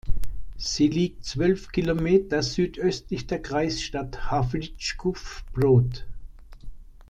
Sie liegt zwölf Kilometer südöstlich der Kreisstadt Havlíčkův Brod.